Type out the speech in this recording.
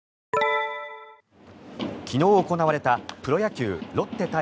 昨日行われたプロ野球ロッテ対